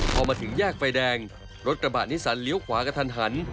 พอมาถึงแยกไฟแดงรถกระบะนิสันเลี้ยวขวากระทันหัน